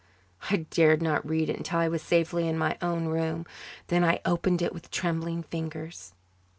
I dared not read it until I was safely in my own room. Then I opened it with trembling fingers.